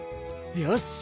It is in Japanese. よし！